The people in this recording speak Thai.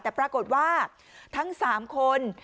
แต่ปรากฏว่าทั้ง๓คน